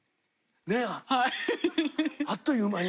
ねあっという間に。